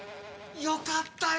よかったよ！